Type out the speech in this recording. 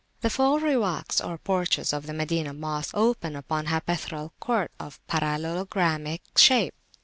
The four Riwaks, or porches, of the Madinah Mosque open upon a hypaethral court of parallelogramic shape.